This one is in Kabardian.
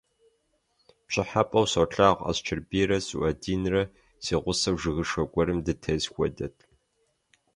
ПщӀыхьэпӀэу солъагъу: Асчэрбийрэ СуӀэдинрэ си гъусэу жыгышхуэ гуэрым дытес хуэдэт.